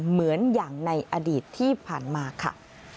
เหมือนอย่างในอดีตที่ผ่านมาค่ะ